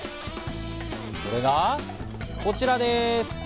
それがこちらです。